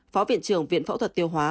phó viện trưởng viện phẫu thuật tiêu hóa